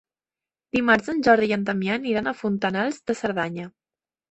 Dimarts en Jordi i en Damià aniran a Fontanals de Cerdanya.